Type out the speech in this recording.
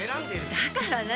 だから何？